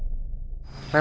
aku harus pergi jauh dari sini